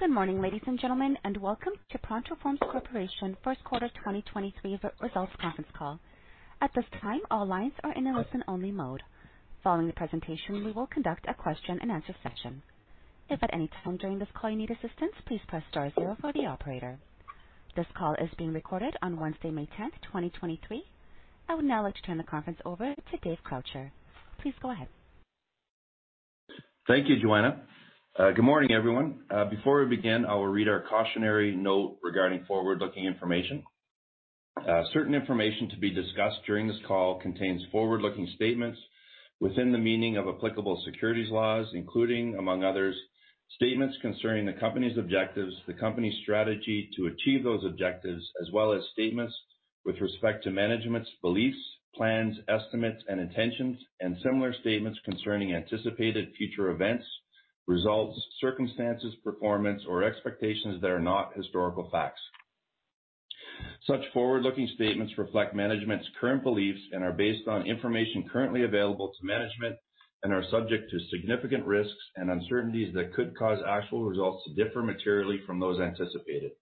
Good morning, ladies and gentlemen, and welcome to ProntoForms Corporation Q1 2023 results conference call. At this time, all lines are in a listen-only mode. Following the presentation, we will conduct a question-and-answer session. If at any time during this call you need assistance, please press star zero for the operator. This call is being recorded on Wednesday, May 10th, 2023. I would now like to turn the conference over to Dave Croucher. Please go ahead. Thank you, Joanna. Good morning, everyone. Before we begin, I will read our cautionary note regarding forward-looking information. Certain information to be discussed during this call contains forward-looking statements within the meaning of applicable securities laws, including, among others, statements concerning the company's objectives, the company's strategy to achieve those objectives, as well as statements with respect to management's beliefs, plans, estimates and intentions, and similar statements concerning anticipated future events, results, circumstances, performance or expectations that are not historical facts. Such forward-looking statements reflect management's current beliefs and are based on information currently available to management and are subject to significant risks and uncertainties that could cause actual results to differ materially from those anticipated.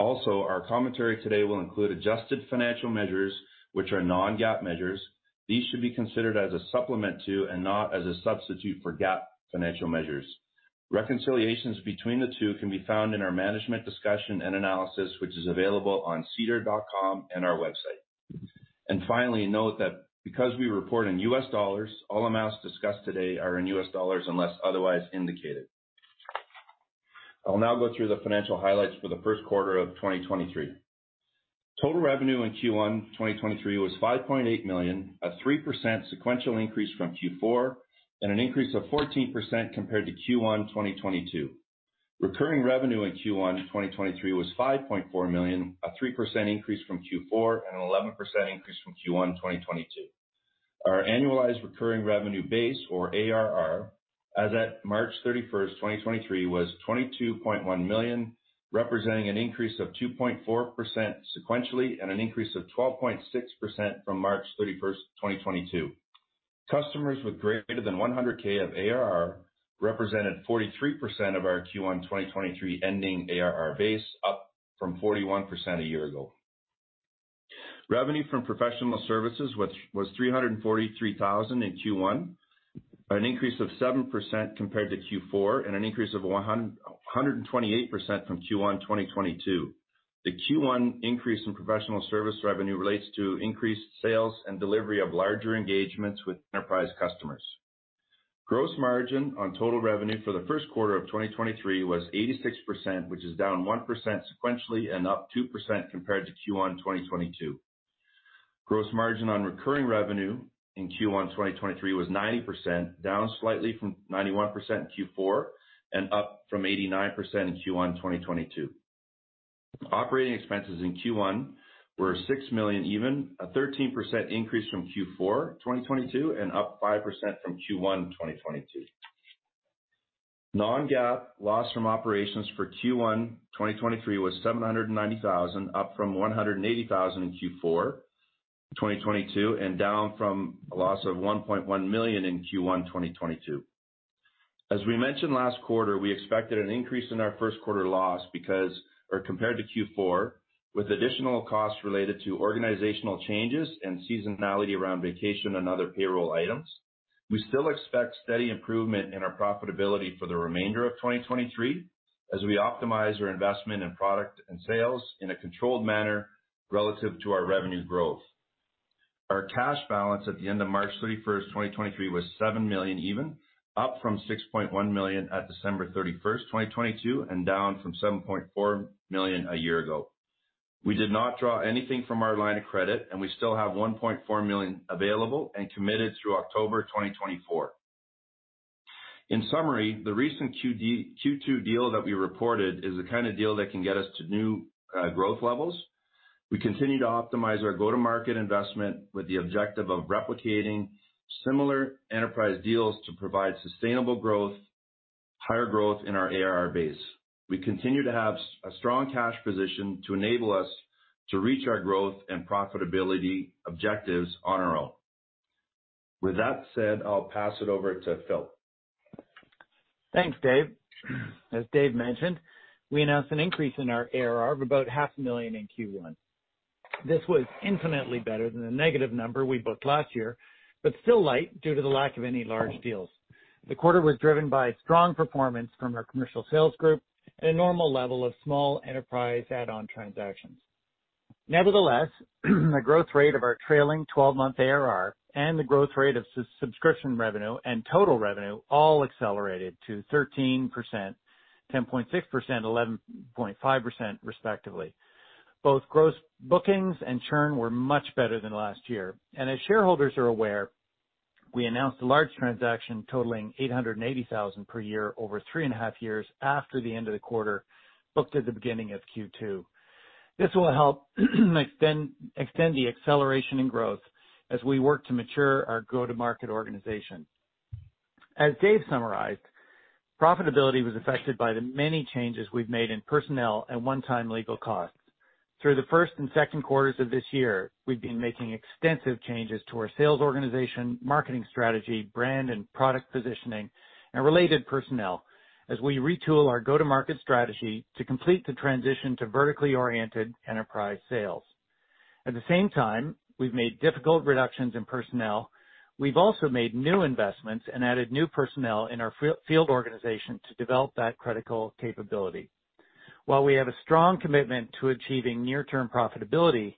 Our commentary today will include adjusted financial measures, which are non-GAAP measures. These should be considered as a supplement to and not as a substitute for GAAP financial measures. Reconciliations between the two can be found in our management discussion and analysis, which is available on sedar.com and our website. Finally, note that because we report in US dollars, all amounts discussed today are in US dollars unless otherwise indicated. I'll now go through the financial highlights for the Q1 of 2023. Total revenue in Q1 2023 was $5.8 million, a 3% sequential increase from Q4 and an increase of 14% compared to Q1 2022. Recurring revenue in Q1 2023 was $5.4 million, a 3% increase from Q4 and 11% increase from Q1 2022. Our annualized recurring revenue base, or ARR, as at March 31, 2023, was $22.1 million, representing an increase of 2.4% sequentially and an increase of 12.6% from March 31, 2022. Customers with greater than 100K of ARR represented 43% of our Q1 2023 ending ARR base, up from 41% a year ago. Revenue from professional services, which was $343,000 in Q1, an increase of 7% compared to Q4 and an increase of 128% from Q1 2022. The Q1 increase in professional service revenue relates to increased sales and delivery of larger engagements with enterprise customers. Gross margin on total revenue for the Q1 of 2023 was 86%, which is down 1% sequentially and up 2% compared to Q1 2022. Gross margin on recurring revenue in Q1 2023 was 90%, down slightly from 91% in Q4 and up from 89% in Q1 2022. Operating expenses in Q1 were $6 million even, a 13% increase from Q4 2022 and up 5% from Q1 2022. non-GAAP loss from operations for Q1 2023 was $790,000, up from $180,000 in Q4 2022 and down from a loss of $1.1 million in Q1 2022. As we mentioned last quarter, we expected an increase in our Q1 loss or compared to Q4, with additional costs related to organizational changes and seasonality around vacation and other payroll items. We still expect steady improvement in our profitability for the remainder of 2023 as we optimize our investment in product and sales in a controlled manner relative to our revenue growth. Our cash balance at the end of March 31, 2023, was $7 million, up from $6.1 million at December 31, 2022, and down from $7.4 million a year ago. We did not draw anything from our line of credit, and we still have $1.4 million available and committed through October 2024. In summary, the recent Q2 deal that we reported is the kind of deal that can get us to new growth levels. We continue to optimize our go-to-market investment with the objective of replicating similar enterprise deals to provide sustainable growth, higher growth in our ARR base. We continue to have a strong cash position to enable us to reach our growth and profitability objectives on our own. With that said, I'll pass it over to Phil. Thanks, Dave. As Dave mentioned, we announced an increase in our ARR of about half a million in Q1. This was infinitely better than the negative number we booked last year, but still light due to the lack of any large deals. The quarter was driven by strong performance from our commercial sales group and a normal level of small enterprise add-on transactions. Nevertheless, the growth rate of our trailing 12-month ARR and the growth rate of subscription revenue and total revenue all accelerated to 13%, 10.6%, 11.5%, respectively. Both gross bookings and churn were much better than last year. As shareholders are aware, we announced a large transaction totaling $880,000 per year over three and a half years after the end of the quarter, booked at the beginning of Q2. This will help extend the acceleration in growth as we work to mature our go-to-market organization. As Dave summarized, profitability was affected by the many changes we've made in personnel and one-time legal costs. Through the Q1 and Q2 of this year, we've been making extensive changes to our sales organization, marketing strategy, brand and product positioning, and related personnel as we retool our go-to-market strategy to complete the transition to vertically oriented enterprise sales. At the same time, we've made difficult reductions in personnel. We've also made new investments and added new personnel in our field organization to develop that critical capability. While we have a strong commitment to achieving near-term profitability,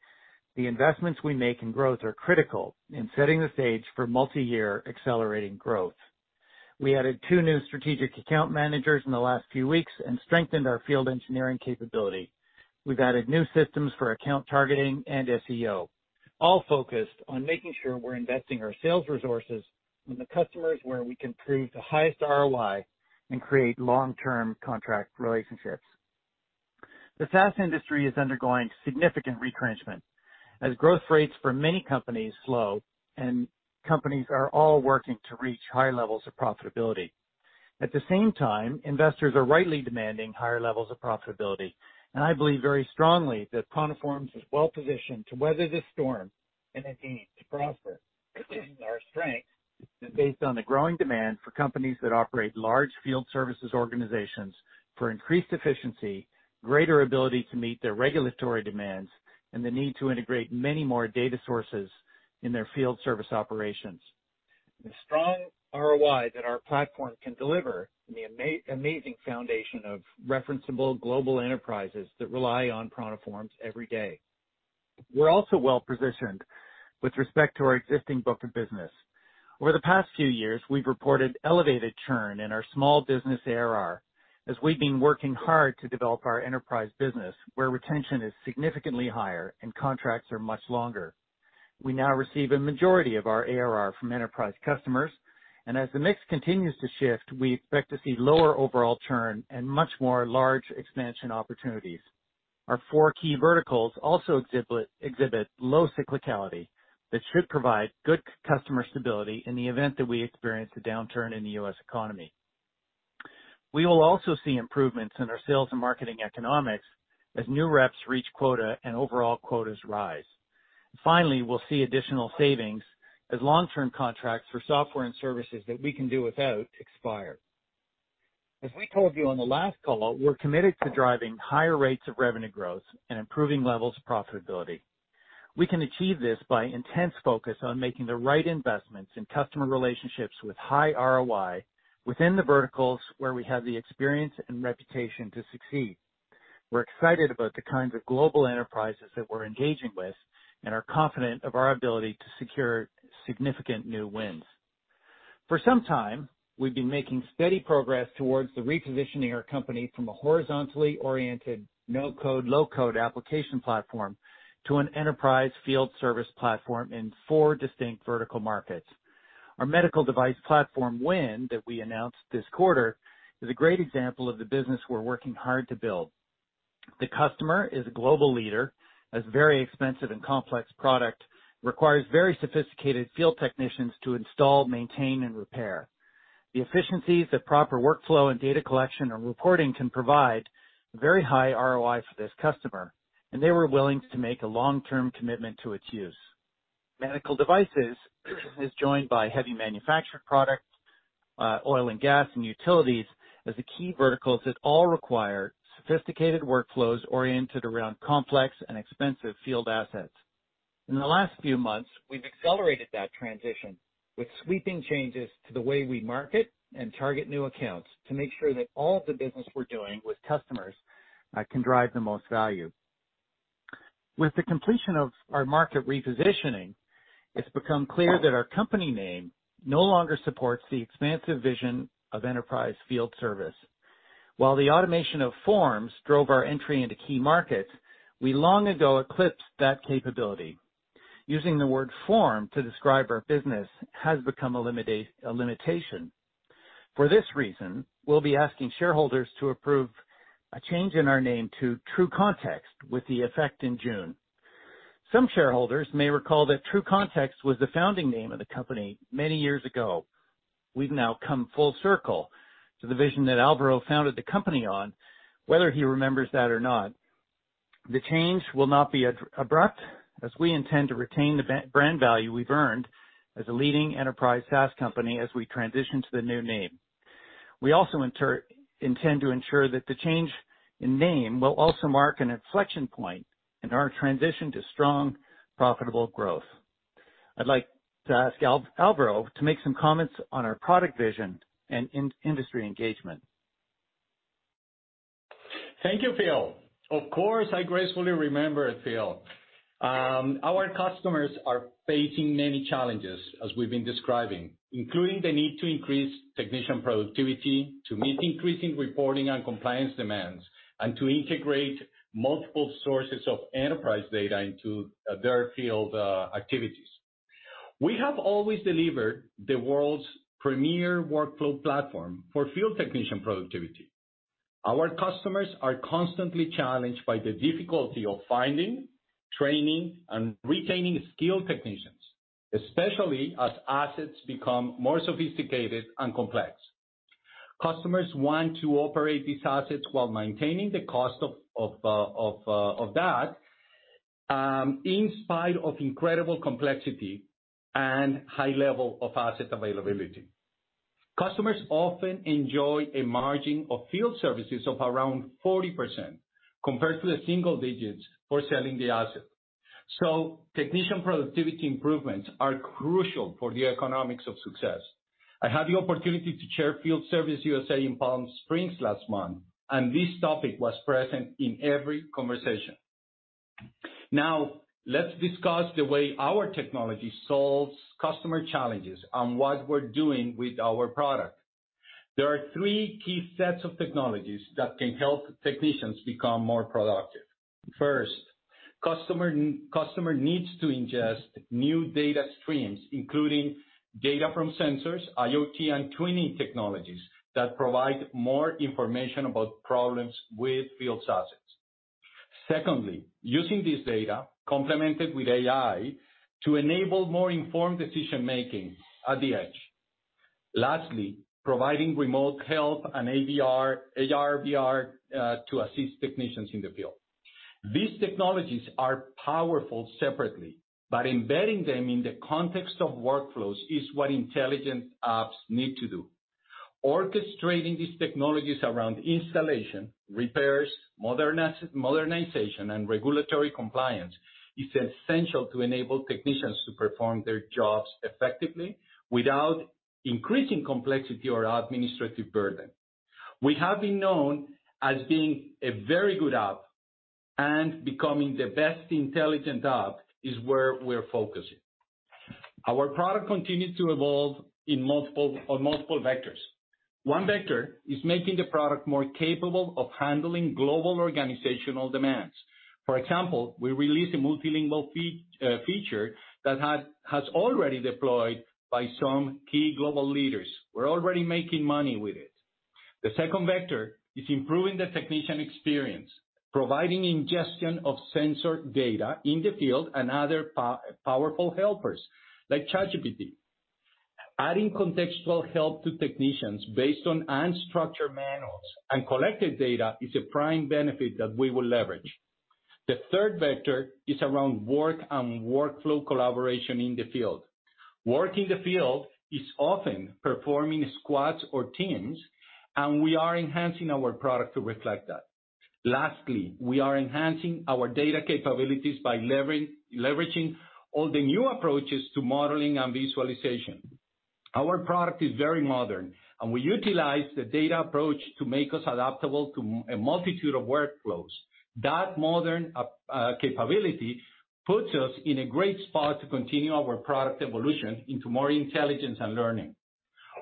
the investments we make in growth are critical in setting the stage for multi-year accelerating growth. We added 2 new strategic account managers in the last few weeks and strengthened our field engineering capability. We've added new systems for account targeting and SEO, all focused on making sure we're investing our sales resources in the customers where we can prove the highest ROI and create long-term contract relationships. The SaaS industry is undergoing significant retrenchment as growth rates for many companies slow and companies are all working to reach high levels of profitability. At the same time, investors are rightly demanding higher levels of profitability, and I believe very strongly that ProntoForms is well-positioned to weather this storm and indeed to prosper. Our strength is based on the growing demand for companies that operate large field services organizations for increased efficiency, greater ability to meet their regulatory demands, and the need to integrate many more data sources in their field service operations. The strong ROI that our platform can deliver and the amazing foundation of referenceable global enterprises that rely on ProntoForms every day. We're also well-positioned with respect to our existing book of business. Over the past few years, we've reported elevated churn in our small business ARR as we've been working hard to develop our enterprise business, where retention is significantly higher and contracts are much longer. We now receive a majority of our ARR from enterprise customers, and as the mix continues to shift, we expect to see lower overall churn and much more large expansion opportunities. Our four key verticals also exhibit low cyclicality that should provide good customer stability in the event that we experience a downturn in the U.S. economy. We will also see improvements in our sales and marketing economics as new reps reach quota and overall quotas rise. Finally, we'll see additional savings as long-term contracts for software and services that we can do without expire. As we told you on the last call, we're committed to driving higher rates of revenue growth and improving levels of profitability. We can achieve this by intense focus on making the right investments in customer relationships with high ROI within the verticals where we have the experience and reputation to succeed. We're excited about the kinds of global enterprises that we're engaging with and are confident of our ability to secure significant new wins. For some time, we've been making steady progress towards the repositioning our company from a horizontally oriented no-code/low-code application platform to an enterprise field service platform in four distinct vertical markets. Our medical device platform win that we announced this quarter is a great example of the business we're working hard to build. The customer is a global leader, has very expensive and complex product, requires very sophisticated field technicians to install, maintain, and repair. The efficiencies that proper workflow and data collection or reporting can provide a very high ROI for this customer, and they were willing to make a long-term commitment to its use. Medical devices is joined by heavy manufactured products, oil and gas and utilities as the key verticals that all require sophisticated workflows oriented around complex and expensive field assets. In the last few months, we've accelerated that transition with sweeping changes to the way we market and target new accounts to make sure that all of the business we're doing with customers can drive the most value. With the completion of our market repositioning, it's become clear that our company name no longer supports the expansive vision of enterprise field service. While the automation of forms drove our entry into key markets, we long ago eclipsed that capability. Using the word form to describe our business has become a limitation. For this reason, we'll be asking shareholders to approve a change in our name to TrueContext with the effect in June. Some shareholders may recall that TrueContext was the founding name of the company many years ago. We've now come full circle to the vision that Alvaro founded the company on, whether he remembers that or not. The change will not be abrupt as we intend to retain the brand value we've earned as a leading enterprise SaaS company as we transition to the new name. We also intend to ensure that the change in name will also mark an inflection point in our transition to strong, profitable growth. I'd like to ask Alvaro to make some comments on our product vision and in-industry engagement. Thank you, Phil. Of course, I gracefully remember, Phil. Our customers are facing many challenges, as we've been describing, including the need to increase technician productivity to meet increasing reporting and compliance demands, and to integrate multiple sources of enterprise data into their field activities. We have always delivered the world's premier workflow platform for field technician productivity. Our customers are constantly challenged by the difficulty of finding, training, and retaining skilled technicians, especially as assets become more sophisticated and complex. Customers want to operate these assets while maintaining the cost of that, in spite of incredible complexity and high level of asset availability. Customers often enjoy a margin of field services of around 40% compared to the single digits for selling the asset. Technician productivity improvements are crucial for the economics of success. I had the opportunity to chair Field Service USA in Palm Springs last month, this topic was present in every conversation. Let's discuss the way our technology solves customer challenges and what we're doing with our product. There are three key sets of technologies that can help technicians become more productive. First, customer needs to ingest new data streams, including data from sensors, IoT, and twinning technologies that provide more information about problems with field assets. Secondly, using this data complemented with AI to enable more informed decision-making at the edge. Lastly, providing remote help and AR/VR to assist technicians in the field. These technologies are powerful separately, embedding them in the context of workflows is what intelligent apps need to do. Orchestrating these technologies around installation, repairs, modernization, and regulatory compliance is essential to enable technicians to perform their jobs effectively without increasing complexity or administrative burden. We have been known as being a very good app. Becoming the best intelligent app is where we're focusing. Our product continues to evolve on multiple vectors. One vector is making the product more capable of handling global organizational demands. For example, we released a multilingual feature that has already deployed by some key global leaders. We're already making money with it. The second vector is improving the technician experience, providing ingestion of sensor data in the field and other powerful helpers like ChatGPT. Adding contextual help to technicians based on unstructured manuals and collected data is a prime benefit that we will leverage. The third vector is around work and workflow collaboration in the field. Work in the field is often performing squads or teams. We are enhancing our product to reflect that. Lastly, we are enhancing our data capabilities by leveraging all the new approaches to modeling and visualization. Our product is very modern, and we utilize the data approach to make us adaptable to a multitude of workflows. That modern a capability puts us in a great spot to continue our product evolution into more intelligence and learning.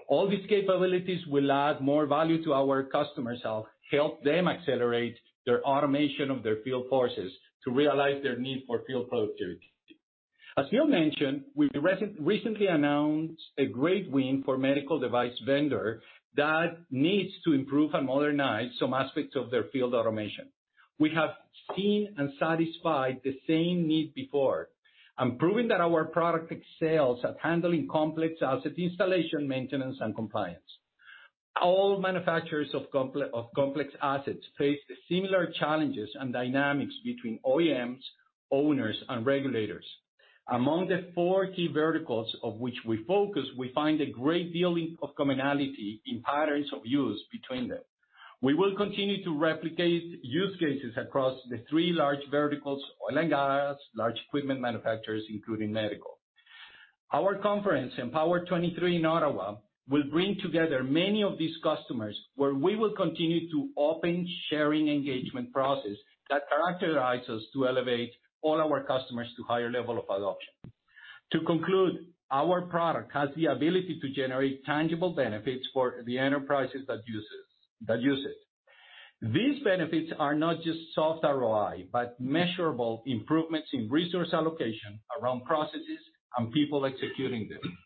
All these capabilities will add more value to our customers and help them accelerate their automation of their field forces to realize their need for field productivity. As Neil mentioned, we've recently announced a great win for medical device vendor that needs to improve and modernize some aspects of their field automation. We have seen and satisfied the same need before and proven that our product excels at handling complex asset installation, maintenance, and compliance. All manufacturers of complex assets face similar challenges and dynamics between OEMs, owners, and regulators. Among the 4 key verticals of which we focus, we find a great dealing of commonality in patterns of use between them. We will continue to replicate use cases across the 3 large verticals, oil and gas, large equipment manufacturers, including medical. Our conference, EMPOWER'23 in Ottawa, will bring together many of these customers, where we will continue to open sharing engagement process that characterize us to elevate all our customers to higher level of adoption. To conclude, our product has the ability to generate tangible benefits for the enterprises that use it. These benefits are not just soft ROI, but measurable improvements in resource allocation around processes and people executing them.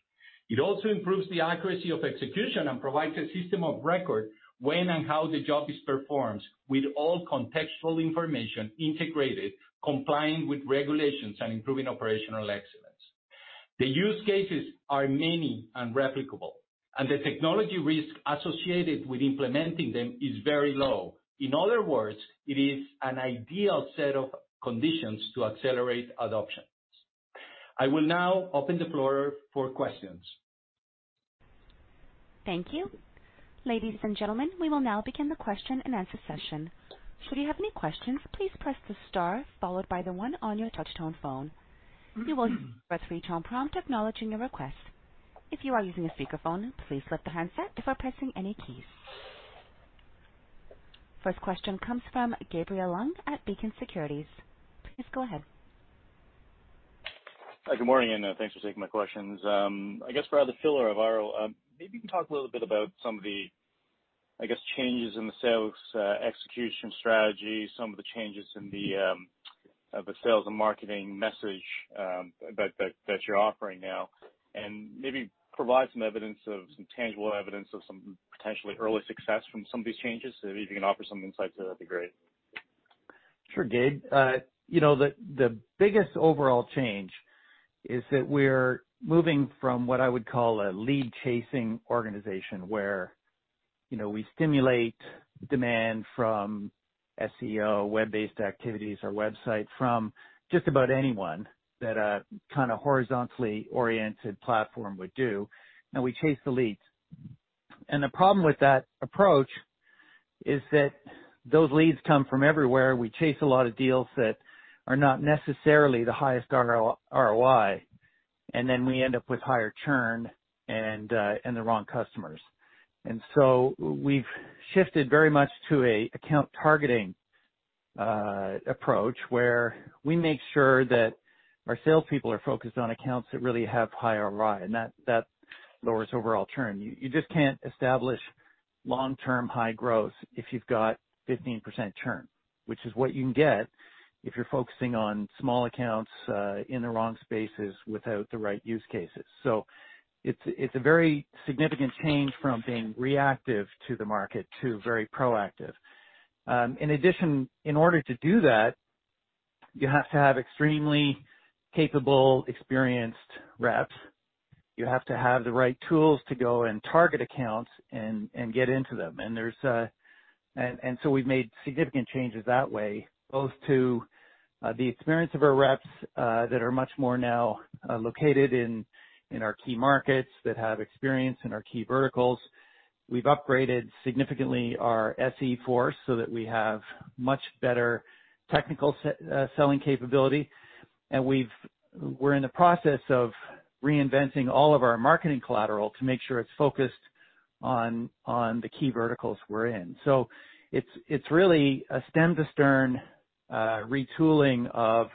It also improves the accuracy of execution and provides a system of record when and how the job is performed with all contextual information integrated, complying with regulations and improving operational excellence. The use cases are many and replicable, the technology risk associated with implementing them is very low. In other words, it is an ideal set of conditions to accelerate adoption. I will now open the floor for questions. Thank you. Ladies and gentlemen, we will now begin the question-and-answer session. Should you have any questions, please press the star followed by the 1 on your touchtone phone. You will hear a 3-tone prompt acknowledging your request. If you are using a speakerphone, please lift the handset before pressing any keys. First question comes from Gabriel Leung at Beacon Securities. Please go ahead. Hi. Good morning, thanks for taking my questions. I guess for either Phil or Alvaro, maybe you can talk a little bit about some of the, I guess, changes in the sales execution strategy, some of the changes in the sales and marketing message that you're offering now. Maybe provide some tangible evidence of some potentially early success from some of these changes. If you can offer some insight to that'd be great. Sure, Gabe., the biggest overall change is that we're moving from what I would call a lead-chasing organization, where, we stimulate demand from SEO, web-based activities, our website, from just about anyone that a kinda horizontally oriented platform would do, and we chase the leads. The problem with that approach is that those leads come from everywhere. We chase a lot of deals that are not necessarily the highest ROI, and then we end up with higher churn and the wrong customers. we've shifted very much to a account targeting approach, where we make sure that our salespeople are focused on accounts that really have high ROI, and that lowers overall churn. You just can't establish long-term high growth if you've got 15% churn, which is what you can get if you're focusing on small accounts in the wrong spaces without the right use cases. It's a very significant change from being reactive to the market to very proactive. In addition, in order to do that, you have to have extremely capable, experienced reps. You have to have the right tools to go and target accounts and get into them. There's. We've made significant changes that way, both to the experience of our reps that are much more now located in our key markets, that have experience in our key verticals. We've upgraded significantly our SE force so that we have much better technical selling capability. We're in the process of reinventing all of our marketing collateral to make sure it's focused on the key verticals we're in. It's really a stem-to-stern retooling of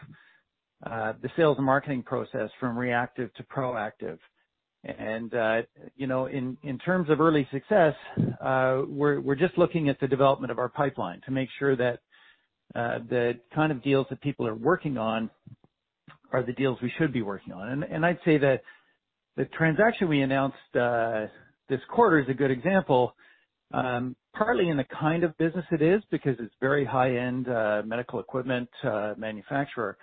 the sales and marketing process from reactive to proactive. You know, in terms of early success, we're just looking at the development of our pipeline to make sure that the kind of deals that people are working on are the deals we should be working on. I'd say that the transaction we announced this quarter is a good example, partly in the kind of business it is, because it's very high-end medical equipment manufacturer.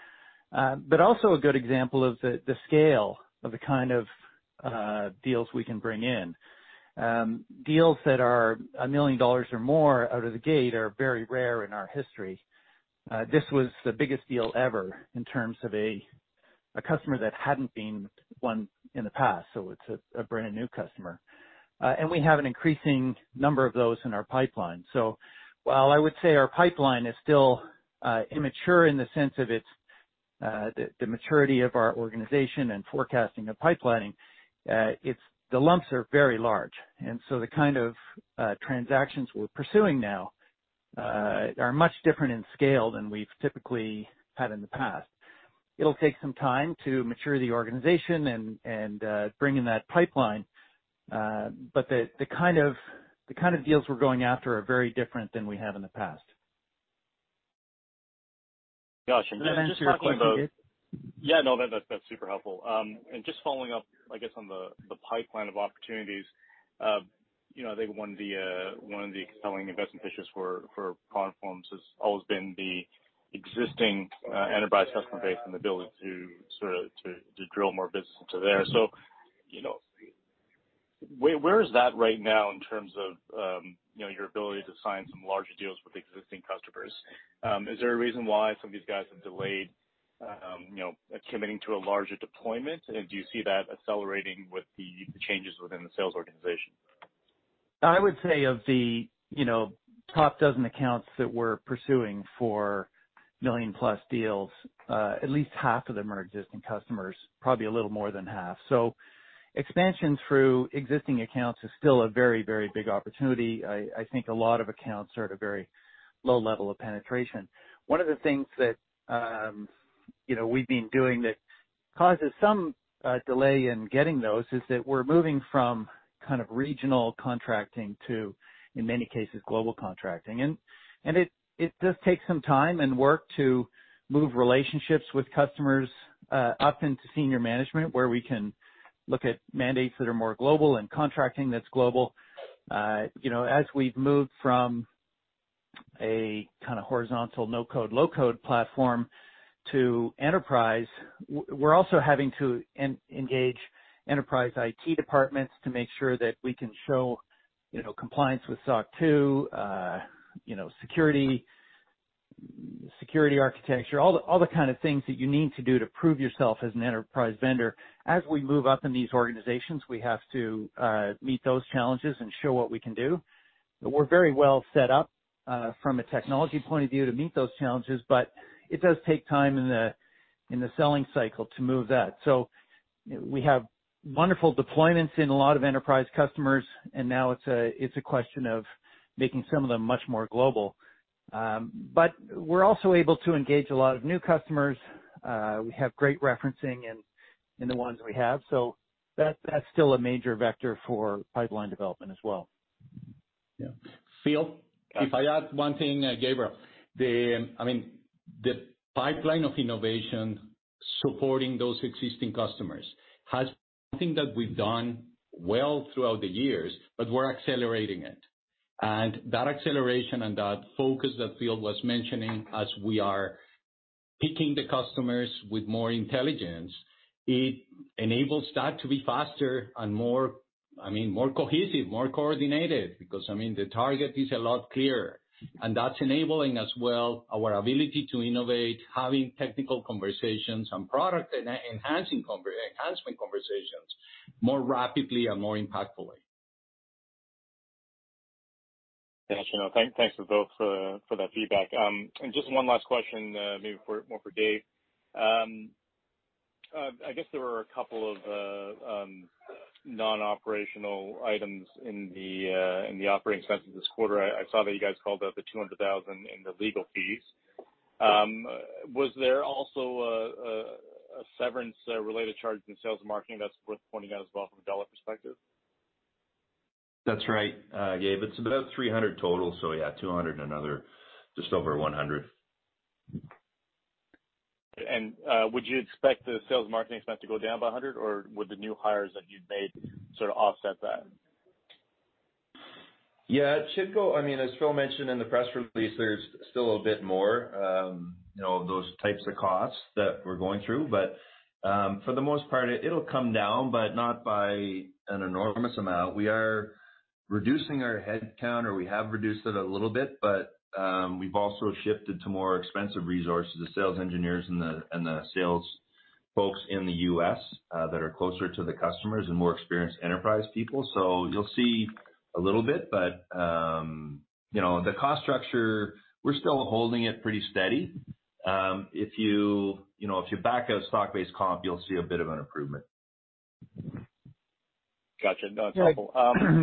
But also a good example of the scale of the kind of deals we can bring in. Deals that are $1 million or more out of the gate are very rare in our history. This was the biggest deal ever in terms of a customer that hadn't been one in the past, so it's a brand-new customer. We have an increasing number of those in our pipeline. While I would say our pipeline is still immature in the sense of its the maturity of our organization and forecasting and pipelining, the lumps are very large. The kind of transactions we're pursuing now are much different in scale than we've typically had in the past. It'll take some time to mature the organization and bring in that pipeline. The kind of deals we're going after are very different than we have in the past. Gotcha. Does that answer your question, Gabe? Yeah, no, that's super helpful. Just following up, I guess, on the pipeline of opportunities, I think one of the compelling investment pitches for ProntoForms has always been the existing enterprise customer base and the ability to sort of, to drill more business into there. You know, where is that right now in terms of, your ability to sign some larger deals with existing customers? Is there a reason why some of these guys have delayed, committing to a larger deployment? Do you see that accelerating with the changes within the sales organization? I would say of the top dozen accounts that we're pursuing for million-plus deals, at least half of them are existing customers. Probably a little more than half. Expansion through existing accounts is still a very, very big opportunity. I think a lot of accounts are at a very low level of penetration. One of the things that, we've been doing that causes some delay in getting those is that we're moving from kind of regional contracting to, in many cases, global contracting. It does take some time and work to move relationships with customers up into senior management, where we can look at mandates that are more global and contracting that's global. As we've moved from a kinda horizontal no-code/low-code platform to enterprise, we're also having to engage enterprise IT departments to make sure that we can show, compliance with SOC 2, security architecture, all the kind of things that you need to do to prove yourself as an enterprise vendor. As we move up in these organizations, we have to meet those challenges and show what we can do. We're very well set up from a technology point of view to meet those challenges, but it does take time in the selling cycle to move that. We have wonderful deployments in a lot of enterprise customers, and now it's a question of making some of them much more global. We're also able to engage a lot of new customers. We have great referencing in the ones we have, that's still a major vector for pipeline development as well. Yeah. Phil? Yes. If I add one thing, Gabriel, I mean, the pipeline of innovation. Supporting those existing customers has been something that we've done well throughout the years, but we're accelerating it. That acceleration and that focus that Phil was mentioning as we are picking the customers with more intelligence, it enables that to be faster and more, I mean, more cohesive, more coordinated, because, I mean, the target is a lot clearer. That's enabling as well our ability to innovate, having technical conversations and product enhancement conversations more rapidly and more impactfully. Got you. No, thanks to both for that feedback. Just one last question, maybe more for Dave. I guess there were a couple of non-operational items in the operating expenses this quarter. I saw that you guys called out the $200,000 in the legal fees. Was there also a severance related charge in sales and marketing that's worth pointing out as well from a dollar perspective? That's right, Gabe. It's about 300 total, so yeah, 200 and another just over 100. Would you expect the sales and marketing expense to go down by $100, or would the new hires that you've made sort of offset that? I mean, as Phil mentioned in the press release, there's still a bit more, those types of costs that we're going through. For the most part, it'll come down, but not by an enormous amount. We are reducing our headcount, or we have reduced it a little bit, we've also shifted to more expensive resources, the sales engineers and the sales folks in the U.S. that are closer to the customers and more experienced enterprise people. You'll see a little bit, the cost structure, we're still holding it pretty steady. If you back out stock-based comp, you'll see a bit of an improvement. Gotcha. No, that's helpful.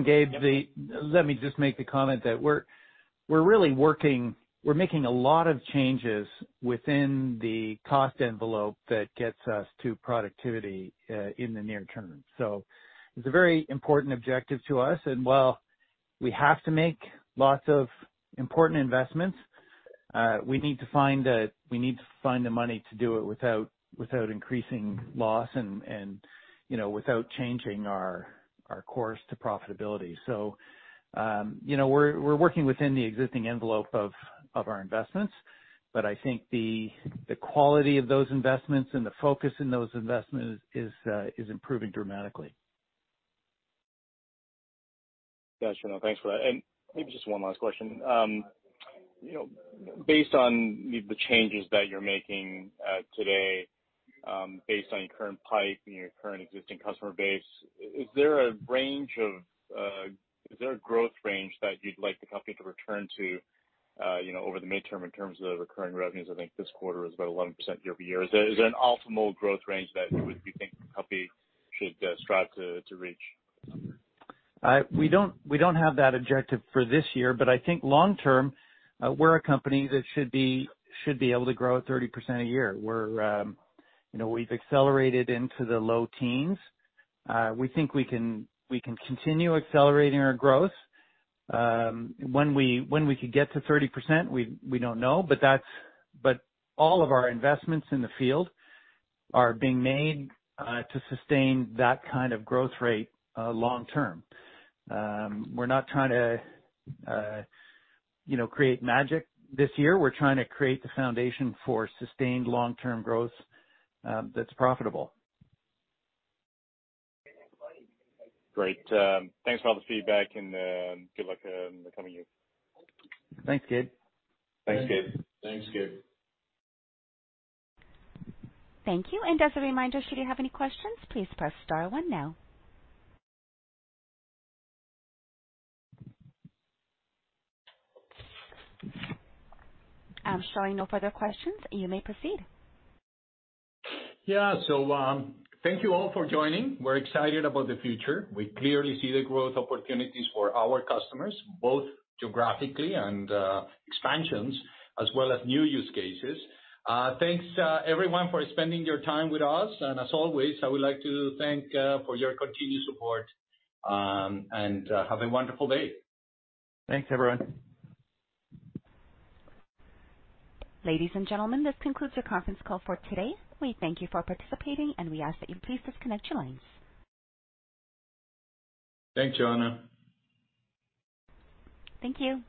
Gabe, let me just make the comment that we're making a lot of changes within the cost envelope that gets us to productivity in the near term. It's a very important objective to us. While we have to make lots of important investments, we need to find the money to do it without increasing loss and, without changing our course to profitability. You know, we're working within the existing envelope of our investments, but I think the quality of those investments and the focus in those investments is improving dramatically. Got you. No, thanks for that. Maybe just one last question. Based on the changes that you're making today, based on your current pipe and your current existing customer base, is there a range of Is there a growth range that you'd like the company to return to, over the midterm in terms of recurring revenues? I think this quarter is about 11% year-over-year. Is there an optimal growth range that you would think the company should strive to reach? We don't, we don't have that objective for this year, but I think long term, we're a company that should be able to grow at 30% a year. We're, accelerated into the low teens. We think we can continue accelerating our growth. When we could get to 30%, we don't know, but all of our investments in the field are being made, to sustain that kind of growth rate, long term. We're not trying to create magic this year. We're trying to create the foundation for sustained long-term growth, that's profitable. Great. Thanks for all the feedback and good luck in the coming year. Thanks, Gabe. Thanks, Gabe. Thanks. Thanks, Gabe. Thank you. As a reminder, should you have any questions, please press star 1 now. I'm showing no further questions. You may proceed. Yeah. Thank you all for joining. We're excited about the future. We clearly see the growth opportunities for our customers, both geographically and expansions as well as new use cases. Thanks everyone for spending your time with us. As always, I would like to thank for your continued support and have a wonderful day. Thanks, everyone. Ladies and gentlemen, this concludes your conference call for today. We thank you for participating, and we ask that you please disconnect your lines. Thanks, Joanna. Thank you.